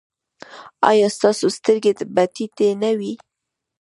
ایا ستاسو سترګې به ټیټې نه وي؟